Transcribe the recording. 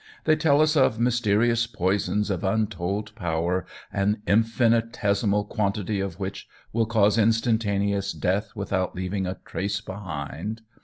They tell us of mysterious poisons of untold power, an infinitesimal quantity of which will cause instantaneous death without leaving a trace behind.